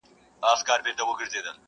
پروني ملا ویله چي کفار پکښي غرقیږي!.